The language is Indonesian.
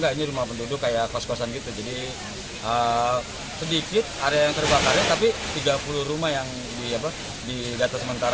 ini rumah penduduk kayak kos kosan gitu jadi sedikit ada yang terbakarnya tapi tiga puluh rumah yang didata sementara